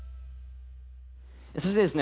そしてですね